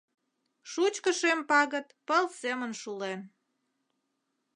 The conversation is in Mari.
Шучко шем пагыт пыл семын шулен.